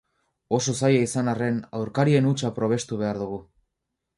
Oso zaila izan arren, aurkarien hutsa probestu behar dugu.